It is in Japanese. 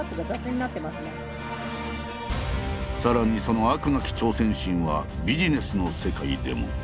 さらにその飽くなき挑戦心はビジネスの世界でも。